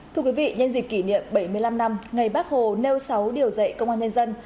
thưa quý vị nhân dịp kỷ niệm bảy mươi năm năm ngày bác hồ nêu sáu điều dạy công an nhân dân